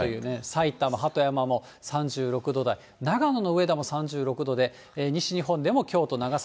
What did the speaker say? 埼玉・鳩山も３６度台、長野の上田も３６度で西日本でも京都、長崎。